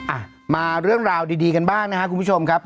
อ่ะมาเรื่องราวดีกันบ้างนะครับคุณผู้ชมครับ